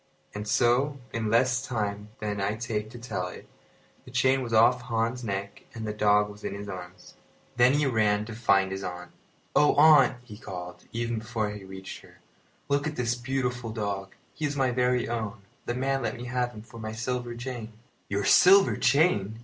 And so, in less time than I take to tell it, the chain was off Hans's neck and the dog was in his arms. Then he ran to find his aunt. "Oh, aunt!" he called, even before he reached her, "look at this beautiful dog. He is my very own. The man let me have him for my silver chain." "Your silver chain!"